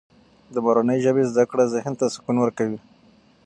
د مورنۍ ژبې زده کړه ذهن ته سکون ورکوي.